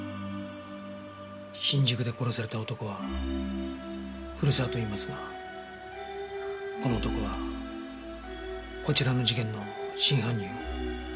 新宿で殺された男は古沢といいますがこの男はこちらの事件の真犯人を強請っていたようです。